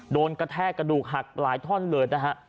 กระแทกกระดูกหักหลายท่อนเลยนะฮะ